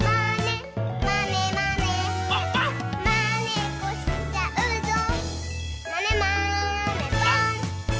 「まねっこしちゃうぞまねまねぽん！」